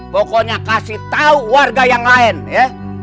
pokoknya kasih tahu warga yang lain ya